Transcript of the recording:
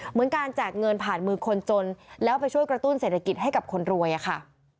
เหมือนการแจกเงินผ่านมือคนจนแล้วไปช่วยกระตุ้นเศรษฐกิจให้กับคนรวยอะค่ะ